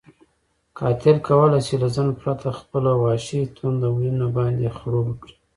قاتل کولی شي له ځنډ پرته خپله وحشي تنده وینو باندې خړوبه کړي.